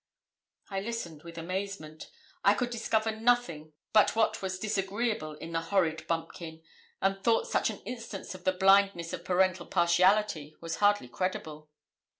I listened with amazement. I could discover nothing but what was disagreeable in the horrid bumpkin, and thought such an instance of the blindness of parental partiality was hardly credible.